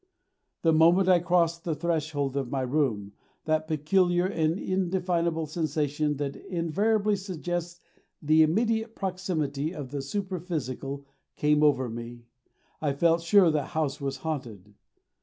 The moment I crossed the threshold of my room, that peculiar and indefinable sensation that invariably suggests the immediate proximity of the superphysical came over me, I felt sure the house was haunted.